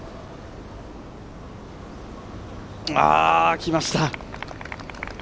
きました。